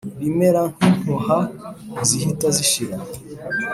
bimera nk’impuha zihita zishira.